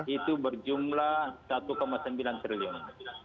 itu berjumlah satu sembilan triliun